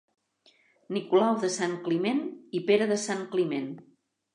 Nicolau de Santcliment i Pere de Santcliment.